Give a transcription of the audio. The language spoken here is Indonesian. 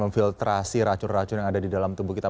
memfiltrasi racun racun yang ada di dalam tubuh kita